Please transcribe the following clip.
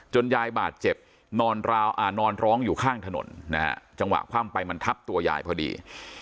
ยายบาดเจ็บนอนร้องอยู่ข้างถนนนะฮะจังหวะคว่ำไปมันทับตัวยายพอดี